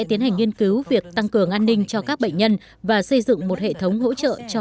tiến hành nghiên cứu việc tăng cường an ninh cho các bệnh nhân và xây dựng một hệ thống hỗ trợ cho